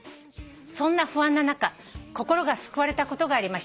「そんな不安な中心が救われたことがありました」